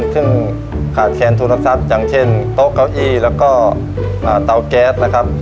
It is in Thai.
ปรับโรงเรียนซึ่งขาดแขนโทรศัพท์อย่างเช่นโต๊ะเก้าอี้แล้วก็เตาแก๊สนะครับ